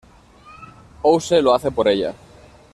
House lo hace por ella.